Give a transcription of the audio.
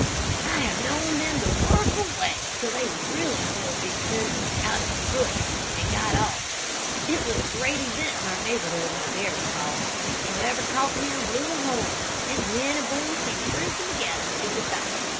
"I have known them to work away till they really pulled these tendons out of the foot, and got off. It was a great event in our neighborhood when a bear was caught. Whoever caught him blew a horn, and the men and boys came trooping together to see the sight.